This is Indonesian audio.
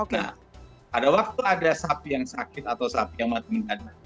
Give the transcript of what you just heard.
nah pada waktu ada sapi yang sakit atau sapi yang mati mendadak